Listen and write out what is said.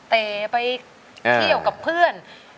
แต่ไปเที่ยวกับเพื่อน